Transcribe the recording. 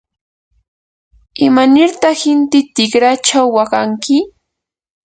¿imanirtaq inti tikraychaw waqanki?